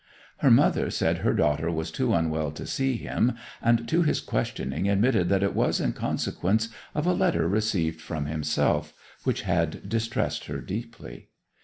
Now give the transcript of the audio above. Her mother said her daughter was too unwell to see him, and to his questioning admitted that it was in consequence of a letter received from himself; which had distressed her deeply.